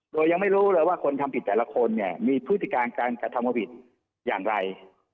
โดยยังไม่รู้เลยว่าคนทำผิดแต่ละคนเนี่ยมีพฤติการการกระทำความผิดอย่างไร